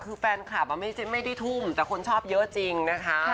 คือแฟนคลับไม่ได้ทุ่มแต่คนชอบเยอะจริงนะคะ